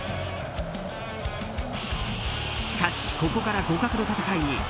しかし、ここから互角の戦いに。